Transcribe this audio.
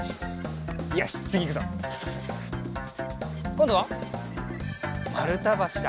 こんどはまるたばしだ。